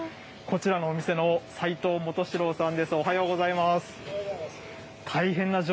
こちらのお店の齋藤もとしろうさんです。